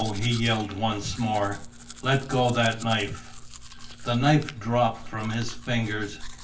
he yelled once more. "Let go that knife." The knife dropped from his fingers.